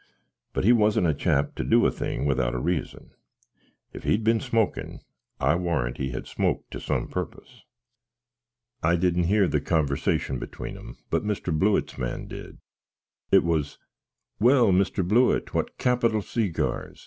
But he wasn't a chap to do a thing without a reason: if he'd been smoakin, I warrant he had smoked to some porpus. I didn't hear the convysation between 'em; but Mr. Blewitt's man did: it was, "Well, Mr. Blewitt, what capital seagars!